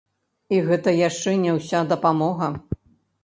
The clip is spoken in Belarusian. І гэта яшчэ не ўся дапамога.